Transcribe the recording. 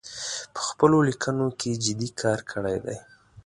په خپلو لیکنو کې جدي کار کړی دی